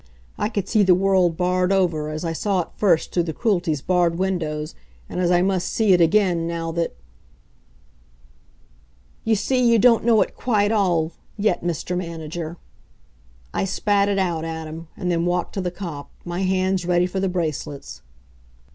I could see the world barred over, as I saw it first through the Cruelty's barred windows, and as I must see it again, now that "You see, you don't know it quite all yet, Mr. Manager!" I spat it out at him, and then walked to the cop, my hands ready for the bracelets.